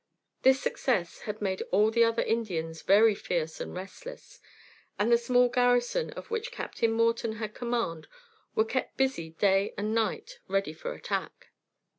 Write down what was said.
This success had made all the other Indians very fierce and restless, and the small garrison of which Captain Morton had command were kept busy day and night ready for attack.